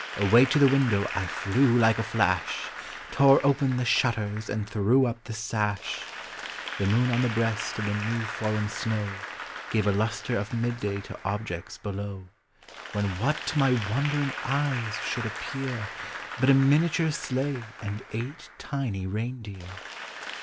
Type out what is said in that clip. Away to the window I Hew like a flash, Tore open the shutters and threw up the sash. The moon on the breast of the new fallen snow (lave a lustre of midday to objects below; When what to my wondering eyes should appear, i:>s POEMS OF HOME. But a miniature sleigh and eight tiny reindeer.